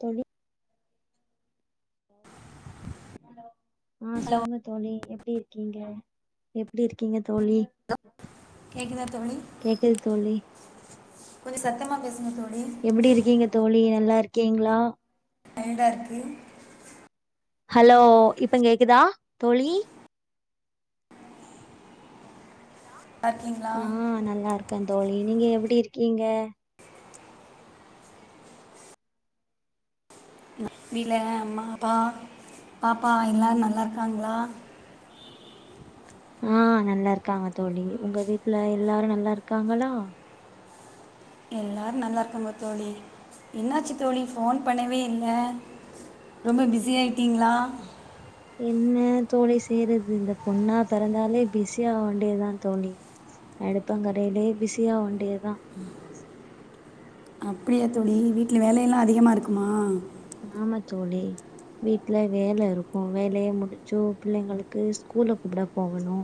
தோழி ஆ ஹலோ சொல்லுங்க தோழி எப்டி இருக்கீங்க எப்டி இருக்கீங்க தோழி [inaudible] கேக்குதா தோழி கேக்குது தோழி கொஞ்சம் சத்தமா பேசுங்க தோழி எப்டி இருக்கீங்க தோழி நல்லா இருக்கீங்களா டயடா இருக்கு ஹலோ இப்ப கேக்குதா தோழி நல்லா இருக்கீங்களா ம் நல்லா இருக்கேன் தோழி நீங்க எப்டி இருக்கீங்க வீட்ல் அம்மா அப்பா பாப்பா எல்லாம் நல்லாருக்காங்களா ஆ நல்லா இருக்காங்க தோழி உங்க வீட்டுல எல்லாரும் நல்லா இருக்காங்களா எல்லாரும் நல்லாருக்காங்க தோழி என்னாச்சு தோழி ஃபோன் பண்ணவே இல்லை. ரொம்ப பிஸி ஆயிட்டீங்களா? என்ன தோழி செய்யறது இந்த பொண்ணா பிறந்தாலே பிஸியாக வேண்டியது தா தோழி அடுப்பங்கரையிலயே பிஸியா வேண்டியதுதா அப்படியா தோழி வீட்டுல வேலையெல்லா அதிகமா இருக்குமா? ஆமா தோழி வீட்டுல வேல இருக்கு வேலைய முடிச்சு பிள்ளைங்களுக்கு ஸ்கூல கூப்பட போகணு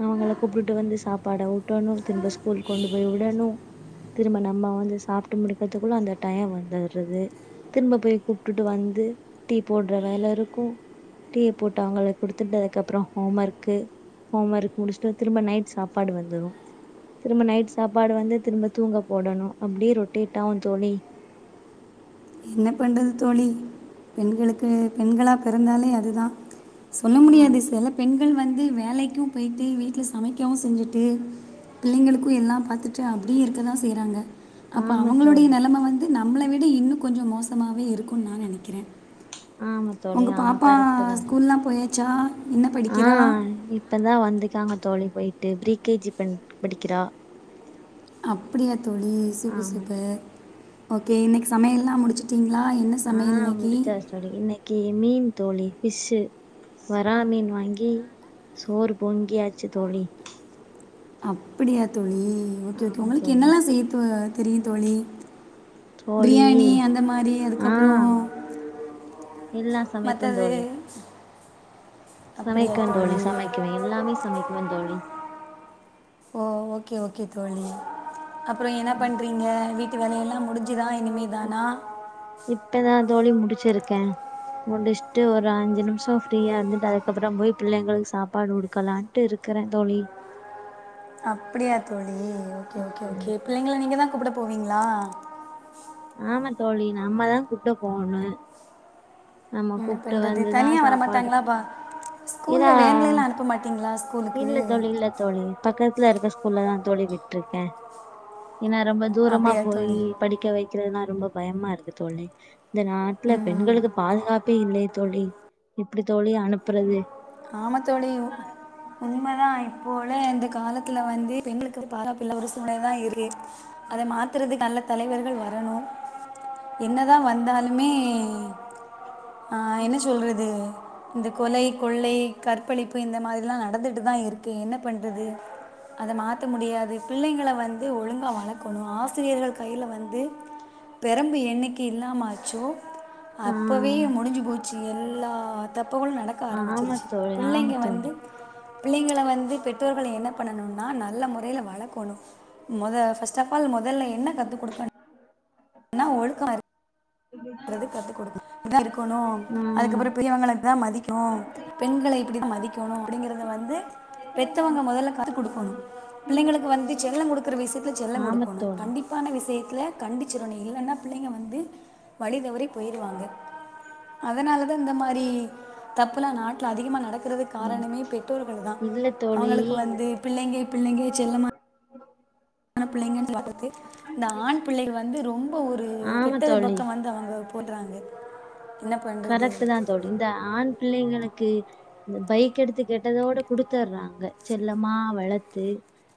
அவங்கள கூப்டுட்டு வந்து சாப்பாட ஊட்டணு திரும்ப ஸ்கூல் கொண்டு போய் விடணு திரும்ப நம்ம வந்து சாப்ட்டு முடிக்கறதுக்குள்ள அந்த டையோ வந்துருது திரும்ப போய் கூப்ட்டுட்டு வந்து டீ போடுற வேல இருக்கு டீ போட்டு அவங்களுக் குடுத்துட்டதுக்கு அப்பறோ ஹோம் ஒர்க்கு ஹோம் ஒர்க் முடிஷ்ட்டு திரும்ப நைட் சாப்பாடு வந்துரு திரும்ப நைட் சாப்பாடு வந்து திரும்ப தூங்க போடணு அப்டே ரொட்டேட் ஆவு தோழி என்ன பண்றது தோழி பெண்களுக்கு பெண்களா பிறந்தாலே அதுதா சொல்ல ஆ முடியாது சில பெண்கள் வந்து வேலைக்கு போயிட்டு வீட்டுல சமைக்கவு செஞ்சுட்டு பிள்ளிங்களுக்கு எல்லா பாத்துட்டு அப்டியே இருக்கதா செய்யறாங்க அப்ப ஆமா அவங்களுடைய தோழி நெலம வந் து நம்மள விட இன்னு கொஞ்சோ மோசமாவே இருக்குன் நா நெனைக்கறே ஆமா தோழி உங்க ஆமா பாப்பா கரெக்ட் தா தோழி ஸ்கூல்லா போயாச்சா என்ன ஆ படிக்கிறா இப்பதா வந்துக்காங்க தோழி போயிட்டு ப்ரீ கே ஜி பண் படிக்கிறா அப்படியா தோழி சூப்பர் ஆமா தோழி. சூப்பர் ஓகே இன்னைக்கு சமையல்லா முடிச்சுட்டிங்களா என்ன சமையல் இன்னக்கி சொலி இன்னக்கி மீன் தோழி ஃபிஷ்ஷு வரா மீன் வாங்கி சோறு பொங்கியாச்சு தோழி அப்படியா தோழி ஓகே ஓகே ஆமா உங்களுக்கு தோழி என்னெல்லா செய்ய தோ தெரியு தோழி தோழி பிரியாணி அந்த மாரி ஆ அதுக்கப்பறோ எல்லா சமைப்ப தோழி சமைக்குவ தோழி சமைக்குவ எல்லாமே சமைக்குவ தோழி ஓ ஓகே ஓகே தோழி அப்பறோ என்ன பண்றீங்க வீட்டு வேலையெல்லா முடிஞ்சுதா இனிமே தானா இப்பதா தோழி முடிச்சிருக்க முடிஷ்ட்டு ஒரு அஞ்சு நிமுஷோ ஃப்ரீயா இருந்துட்டு அதுக்கப்பறோ போய் பிள்ளைங்களுக் சாப்பாடு குடுக்கலான்ட்டு இரு கற தோழி அப்படியா தோழி ஓகே ஓகே ஆமா ஓகே பிள்ளைங்கள நீங்க தா கூப்பட போவீங்களா ஆமா தோழி நம்மதா கூப்ட போணு நம்ம என்ன கூப்ட்டு பண்ணுறது வந்துதா தனியாக வர சாப்பாடு மாட்டாங்களாப்பா இதா ப்ப மாட்டிங்களா ஸ்கூல் இல்ல தோழி இல்ல தோழி பக்கத்துல இருக்க ஸ்கூல்லதா தோழி விட்ருக்க ஏன்னா ரொம்ப தூரமா அப்படியா போயி தோழி ம் படிக்க வைக்கறதுனா ரொம்ப பயமா இருக்கு தோழி இந்த நாட்ல பெண்களுக்கு பாதுகாப்பே இல்லை தோழி எப்டி தோழி அனுப்றது ஆமா தோழி உண்ம தா இப்ப உள்ள இந்த காலத்துல வந்து பெண்களுக்கு பாதுகாப் இல்ல ஒரு சூழ்நெல தா இருக்கு அத மாத்துறது நல்ல தலைவர்கள் வரணு என்னதா வந்தாலுமே அ என்ன சொல்றது து இந்த கொலை கொள்ளை, கற்பழிப்பு இந்த மாதிரிலா நடந்துகிட்டு தா இருக்கு என்ன பண்ணுறது அத மாத்த முடியாது பிள்ளைங்கல வந்து ஒழுங்கா வளக்கணு ஆசிரியர்கள் கையில வந்து பெரம்பு என்னக்கி இல்லாம ஆச்சோ ஆ அப்பவே முடிஞ்சு போச் சு எல்லா தப்புகளு நடக்க ஆமா ஆரம்பிச்சிருச்சி தோழி ஆமா பிள்ளைங்க தோழி வந்து பிள்ளைங்கள வந்து பெற்றோர்கள் என்ன பண்ணணுன்னா நல்ல முறையில வளக்கணு மொத ஃபர்ஸ்ட் ஆப் ஆல் மொதல்ல என்ன கத்து குடுக்கனு ன்னா ஒழுக்க இருக்கணுன்றது கத்துகொடுக்கு இப்டிதா இருக்கணு ம் அதுக்கப்பறோ பெரியவங்களதா மதிக்கு பெண்கள இப்டிதா மதிக்கணு அப்டிங்கிறத வந்து பெத்தவங்க மொதல்ல கத்து குடுக்கணு பிள்ளைங்களுக்கு வந்து செல்லோ குடுக்கற விஷயத்துல செல்லங் ஆமா குடுக்கணு தோழி கண்டிப்பான விஷயத்துல கண்டிச்சிறனு இல்லன்னா பிள்ளைங்க வந்து வழி தவறி போயிருவாங்க அதனாலதா இந்த மாரி தப்புலா நாட்டுல அதிகமா நடக்குறதுக்கு ம் காரணமே பெற்றோர்கள் தா இல்ல தோழி அவங்களுக்கு வந்து பிள்ளைங்க பிள்ளைங்க செல்லமா ஆன பிள்ளைங்க சொல்லி வளத்து இந்த ஆண் பிள்ளைகள் வந்து ரொம்ப ஒரு ஆமா கெட்டது தோழி பக்கோ வந்து அவங்க போட்றாங்க கரெக்ட் தான் தோழி இந்த ஆண் பிள்ளைங்களுக்கு இந்த பைக் எடுத்து கேட்டதோட குடுத்துர்றாங்க ங்க செல்லமா வளத்து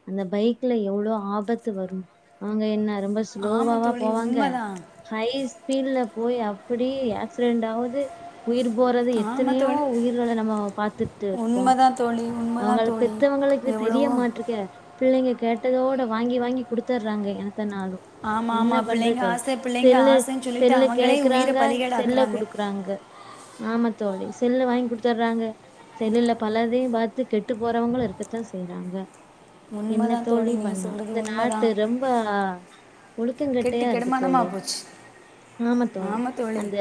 அந்த பைக்ல எவ்ளோ ஆபத்து வரு அவங்க என்ன ரொம்ப ஆமா ஸ்லோவாவா தோழி போவாங்க உண்மைதான் ஹை ஸ்பீடுல போய் அப்டியே ஆக்சிடென்ட் ஆவுது உயிர் போறது ஆமா எத்தனையோ தோழி உயிர்களை நம்ம பாத்துட்டு இருக்கோ உண்மைதான் தோழி உண்மைதான் அவங்கள தோழி பெத்தவங்களுக்கு இது தெரிய எவ்வளவோ மாட்றக்க பிள்ளைங்க கேட்டதோட வாங்கி வாங்கி குடுத்தர்றாங்க எண்ணத்தனாலு ஆமாம் என்ன ஆமாம் பண்றது பிள்ளைங்க தோழி ஆசை பிள்ளைங்க செல்லு ஆசைன்னு சொல்லிட்டு செல்லு அவங்களே உயிரை கேக்குறாங்க செல்ல பலிகேடாக்குறாங்க குடுக்குறாங்க ஆமா தோழி செல்லு வாங்கி குடுத்துர்றாங்க செல்லுல பலதையு பாத் து கெட்டு போறவங்களு இருக்கத்தா செய்றாங்க என்ன உண்மைதான் தோழி நீங்கள் பண்ணலா சொல்கிறது இந்த நாட்டு உண்மைதான் ரொம்ப கெட்டு ஒழுக்கங்கெட்டையா இருக்கு தோழி கெடுமானமாக போச்சு ஆமா தோழி அந்த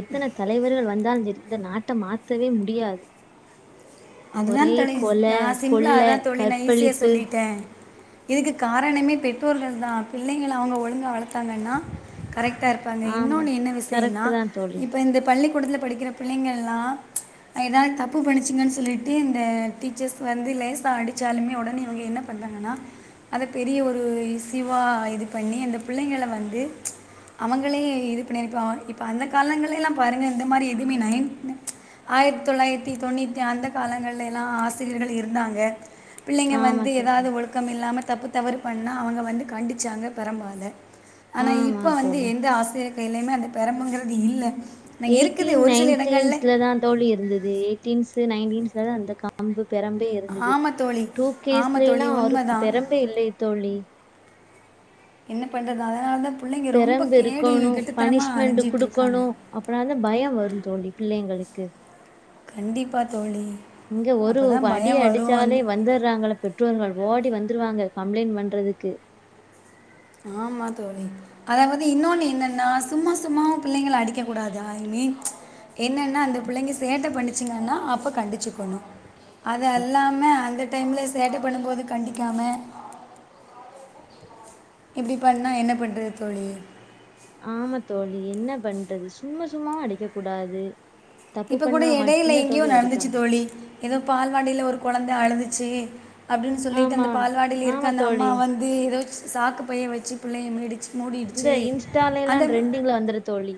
எத்தன தலைவர்கள் வந்தாலு சரி இந்த நாட்ட மாத்தவே முடியாது அதுதா ஒரே தோழி கொல ஆ சிம்பிளா கொள்ள அததா தோழி நா ஈஸியா கற்பழிப்பு சொல்லிட்டே இதுக்கு காரணமே பெற்றோர்கள்தா பிள்ளைங்கள அவங்க ஒழுங்கா வளத்தாங்கன்னா கரெக்ட்டா இருப்பாங்க ஆமா இன்னொன்னு என்ன விஷயன்னா கரெக்ட் தான் தோழி இப்ப இந்த பள்ளிக்கூடத்துல படிக்கிற பிள்ளைங்கல்லா ஏதாவது தப்பு பண்ணிச்சுங்கன்னு சொல்லிட்டு இந்த டீச்சர்ஸ் வந்து லேசா அடிச்சாலுமே ஒடனே இவங்க என்ன பண்ணுறாங்கன்னா அத பெரிய ஒரு இஷு யூவா இது பண்ணி அந்த பிள்ளைங்கள வந்து அவங்களே இது பண்ணிருப்பாங்க இப் ப அந்த காலங்களெல்லா பாருங்க இந்த மாரி எதுவுமே நைன் ஆயிரத்தி தொள்ளாயிரத்தி தொண்ணித்தி அந்த காலங்கள்ல எல்லா ஆசிரியர்கள் இருந்தாங்க பிள்ளைங்க ஆமா வந்து தோழி ஏதாது ஒழுக் கம் இல்லாம தப்பு தவறு பண்ணா அவங்க வந்து கண்டிச்சாங்க பெரம்பால ஆனா ஆமா இப்ப வந்து தோழி எந்த ஆசிரியர் கையிலயுமே அந்த பெரம்புங்கிறது இல்ல எயிட்டீன் நைன்டீன்ஸ்ல தா தோழி இருந்தது எயிட்டீன்ஸ் நைன்டீன்ஸ்ல தா அந்த கம்பு பெரம் பு இருந்தது ஆமா தோழி டூ ஆமா கேஸ்ல தோழி எல்லா அவருக்கு உண்மைதான் பெரம்பே இல்லயே தோழி என்ன பண்றது அதனால தா பிள்ளைங்க ரொம்ப பெரம்பு கேடு கெட்டுத்தனமாக அலைஞ்சிட்டுருக்காங்க அப்புறந்த பயம் வரும் தோழி பிள்ளைங்களுக்கு கண்டிப்பா தோழி இங்க ஒரு அப்போ தான் வடிய பயம் வரும் அடிச்சாலே வந்து வந்துடுறாங்கள பெற்றோர்கள் ஓடி வந்துருவாங்க கம்ப்ளைண்ட் பண்றதுக்கு ஆமா தோழி அதாவது இன்னொன்னு என்னன்னா சும்மா சும்மாவும் பிள்ளைங்கள அடிக்க கூடாது ஐ மீன் என்னன்னா அந்த பிள்ளைங்க சேட்ட பண்ணிச்சீங்கன்னா அப்ப கண்டிச்சுக்கணும் அது அல்லாம அந்த டைமில் சேட்ட பண்ணும்போது கண்டிக்காம இப்படி பண்ணா என்ன பண்றது தோழி ஆமா தோழி என்ன பண்றது சும்மா சும்மாவும் அடிக்க கூடாது தப்பு இப்போ கூட பண்ணா இடையில மட்டும்தான் எங்கயோ தோழி நடந்துச்சு அடிக்கணும் தோழி ஏதோ பால்வாடியில ஒரு குழந்த அழுதுச்சு அப்படின்னு சொல்லிட்டு ஆமா அந்த பால்வாடியில் இருக்க ஆமா அந்த அம்மா தோழி வந்து ஏதோச்ச சாக்கு பைய வெச்சு பிள்ளைய மீடிச்சு இந்த மூடிடுச்சு இன்ஸ்டாயில எல்லா ட்ரெண்டிங்ல வந்துரும் தோழி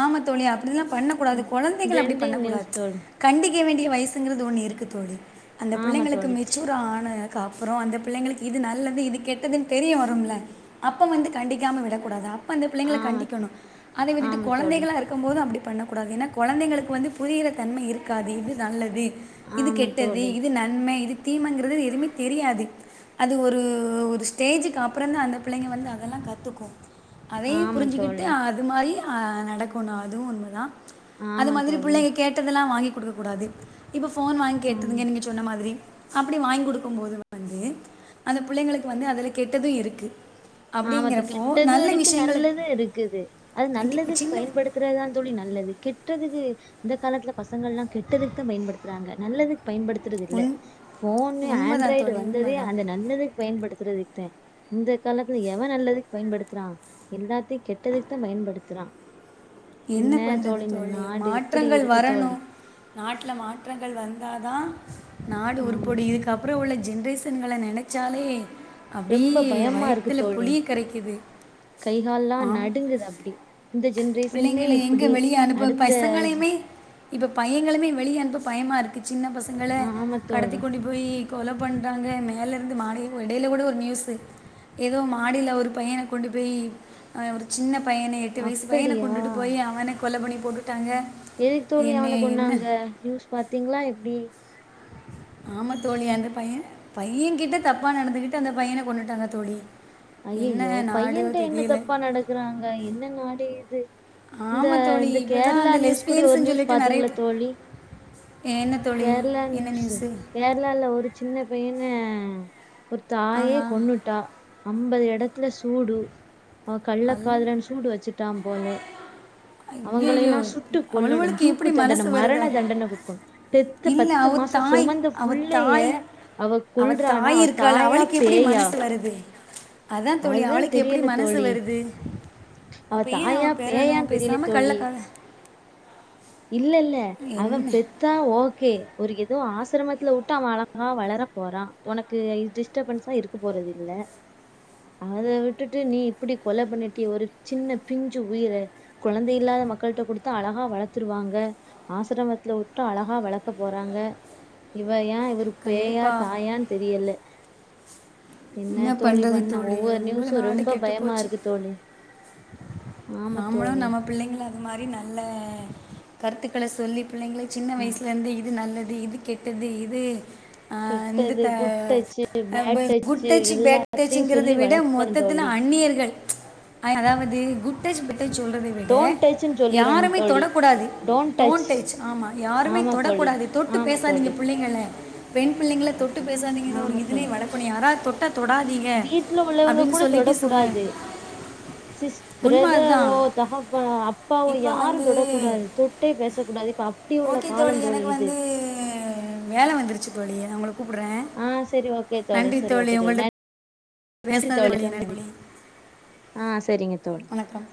ஆமா தோழி அப்படில்லாம் பண்ணக் கூடாது குழந்தைகள அப்படி ட்ரெண்டிங் நியூஸ் பண்ணக்கூடாது தோழி கண்டிக்க வேண்டிய வயசுங்கிறது ஒன்னு இருக்கு தோழி அந்த ஆமா பிள்ளைங்களுக்கு தோழி சி. மெச்சுர் ஆன க அப்புறம் அந்த பிள்ளைங்களுக்கு இது நல்லது இது கெட்டதுன்னு தெரிய வரும்ல அப்ப வந்து கண்டிக்காம விடக்கூடாது அப்ப அந்த பிள்ளைங்கள ஆமா தோ- கண்டிக்கணும் அத விட்டுட்டு ஆமா தோழி குழந்தைகள இருக்கும் போதும் அப்படி பண்ணக்கூடாது ஏன்னா குழந்தைந்களுக்கு வந்து புரியிற தன்மை இருக்காது இது நல்லது இது ஆமா கெட்டது தோழி இது நன்மை இது தீமங்கிறது எதுவுமே தெரியாது அது ஒரு ஒரு ஸ்டேஜுக்கு அப்புற தான் அந்த பிள்ளைங்க வந்து அதெல்லாம் கத்துக்கும் அதையும் ஆமா புரிஞ்சுக்கிட்டு தோழி அது மாறி ஆ நடக்கணும் அதும் உண்மதான் அது ஆமா மாதிரி தோழி பிள்ளைங்க கேட்டதெல்லாம் வாங்கி குடுக்க கூடாது இப்போ ஃபோன் வாங்கி ம் கேட்டுதுங்க நீங்க சொன்ன மாதிரி அப்படி வாங்கி குடுக்கும் போது வந்து அந்த பிள்ளைங்களுக்கு வந்து அதுல கெட்டதும் இருக்கு ஆமா தோ கெட்டதும் இருக்கு நல்லதும் இருக்குது அது நல்லது கண்டிப்பாக சின்ன பயன்படுத்த த்துறதான் தோழி நல்லது கெட்டதுக்கு இந்த காலத்துல பசங்க எல்லாம் கெட்டதுக்கு தான் பயன்படுத்துறாங்க நல்லதுக்கு பயன்படுத்த த்துறது இல்ல உண் ஃபோன்னு உண்மைதான் ஆண்ட்ராய்டு தோழி வந்ததே உண்மைதான் அந்த நல்லது பயன்படுத்துறதுக்குத்தேன் இந்த காலத்து எவன் நல்லதுக்கு பயன்படுத்துறான் எல்லாத் யும் கெட்டதுக்கு தான் பயன்படுத்துறான் என்ன பண்றது இந்த தோழி நாடு இப்படி மாற்றங்கள் இருக்கு தோழி வரணும் நாட்டல மாற்றங்கள் வந்தாதான் நாடு ஆமா உருப்படும் தோழி இதுக்கப் அப்புறம் உள்ள ஜென்ரேஷன்கள நெனச்சாலே ரொம்ப அப்டியே பயமா இருக்கு வயத்தில தோழி புளிய கரைக்குது ஆம் இருந்தது அப்டி இந்த ஜென்ரே பிள்ளைங்கள எங்க வெளிய அனுப்ப ஜ- பசங்களையுமே இப்ப பையங்களுமே வெளியனுப்ப பயமா இருக்கு சின்ன பசங்கள ஆமா கடத்தி தோழி கொண்டி போய் கொல பண்றாங்க மேலருந்து மாடிய இடையில கூட ஒரு நியூஸ் ஏதோ மாடில ஒரு பையன கொண்டு போய் அவன் ஒரு சின்ன பையன எட்டு வயசு பையன அப்படியா கொண்டுட்டு போய் அவன கொல பண்ணி போட்டுட்டாங்க எதுக்கு தோழி என்ன அவன என்ன கொன்னாங்க நியூஸ் பாத்தீங்ளா எப்டி ஆமா தோழி அந்த பையன பையன் கிட்ட தப்பா நடந்துகிட்டு அந்த பையன கொண்ணுட்டாங்க தோழி என்ன அய்யய்யோ நாடு பையன்ட்ட என்ன தெரியல தப்பா நடக்குறாங்க என்ன நாடு இது இந்த ஆமாம் தோழி இந்த இப்போ தான் கேரளா அந்த நியூஸ் கூட ஒரு லெஸ்பியன்ஸ்னு நியூஸ் சொல்லிட்டு பாத்தீங்ளா நிறைய தோழி என்ன தோழி கேரளா என்ன நியூஸ் நியூஸு கேரளால ஒரு சின்ன பையன ஒரு தாயே ஆஹா கொன்னுடா அம்பது எட துல சூடு அவ கள்ள அல் காதலன் சூடு வச்சுட்டான் போல அவங்கள ஐயையோ எல்லாம் சுட்டு கொல்லணு அவளுவளுக்கு தூக்கு எப்படி தண்டன மனசு வருத மரண தண்டன குடுக்கணு தெ த்த இல்லை பத்து அவ மாசம் தாய் சொமந்த அவ புள்ளைய தாய் அவ கொல்றானா அவ தாயா எப்டி பேயா மனசு வருது அதா தோழி அதுதான் அவளுக்கு எப்டி தெரியல மனசு தோழி வருது அவ அப்போ ஏன் தாயா அவன் பெறணும் பேயான்னு தெரியல பேசாமல் தோழி கள்ளக்காத இல்ல இல்ல அவ என்ன பெத் தா ஓகே ஒரு ஏதோ ஆசிரமத்துல விட்டு அவன் அழகா வளர போறா உனக்கு டிஸ்டபென்ஸா இருக்க போறது இல்ல அத விட்டுட்டு நீ இப்படி கொலை பண்ணிட்டியே ஒரு சின்ன பிஞ்சு உயிர கொழந்தை இல்லாத மக்கள்ட்ட கொடுத்து அழகா வளர் த்துருவாங்க ஆசிரமத்துல விட்டா அழகா வளர்க்க போறாங்க இவ ஏ ஒரு பேயா கண்டிப்பாக தாயானு தெரியல என்ன தோழி பண்றது பண்ண தோழி ஒவ்வொரு ரொம்ப நியூஸும் நாடு கெட்டு பயமா போச்சு இருக்கு தோழி ஆமா நாமளும் தோழி நம்ம பிள்ளைங்கள அது மாரி நல்ல கருத்துக்கள சொல்லி பிள்ளைங்கள சின்ன நான் வயசுல இருந்து இது நல்லது இது கெட்டது இது ஆ ந்து கெட்டது தா குட் டச்சு அ ப bad good touch touch bad எல்லாத்தையும் டச்ங்றத சொல்லி விட மொத் வளர்க்கணும் த்தத்துல தோழி அந்நியர்கள் மா அதாவது குட் டஜ் பேட் டஜ் சொல்றத விட டோன்ட் டச்சுன்னு சொல்லிறனு யாருமே தோழி தொடக்கூடாது டோன்ட் டச் ஆமா யாருமே ஆமா தோழி தொடக்கூடாது தொட்டு ஆமா பேசாதீங்க தோழி புள் பிள்ளைங்கள பெண் பிள்ளைங்கள தொட்டு பேசாதீங்கனு ஒரு ஆமா இதிலயே தோழி வளக்கணு யாரா தொட் டா தொடாதீங்க வீட்ல உள்ளவங்க அப்டின்னு கூட சொல்லிட்டு சொல்ல தொடக்கூடாது சிஸ் பிரதரோ அதுதான் தகப்பனோ அப்பாவோ இப்போ யாரு வந்து தொடக்கூடாது தொட்டே பேசக்கூடாது இப்ப அப் ஓகே தோழி எனக்கு வந்து வேல வந்துருச்சு தோழி உங்களுக் கூப்டுறே ஆ சரி ஓகே நன்றி சரி தோழி ஓகே உங்கள்ட்ட பேசுனது தோழி நன்றி தோழி ஆ சரிங்க தோழி வணக்கம்